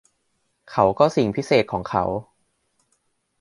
เขาก็สิ่งพิเศษของเขา